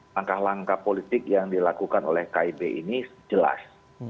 langkah langkah politik yang dilakukan oleh kib ini jelas